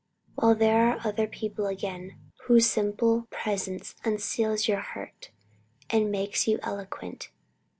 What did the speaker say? While there are other people, again, whose simple presence unseals your heart and makes you eloquent.